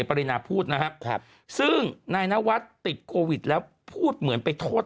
ปรินาพูดนะครับซึ่งนายนวัฒน์ติดโควิดแล้วพูดเหมือนไปโทษ